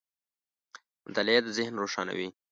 • مطالعه د ذهن روښانوي.